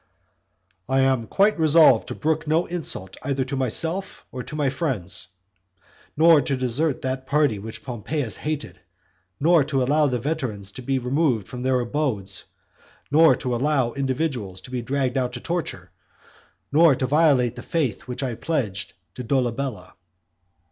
"I am quite resolved to brook no insult either to myself or to my friends; nor to desert that party which Pompeius hated, nor to allow the veterans to be removed from their abodes; nor to allow individuals to be dragged out to torture, nor to violate the faith which I pledged to Dolabella."